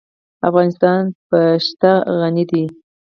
افغانستان په ښتې غني دی.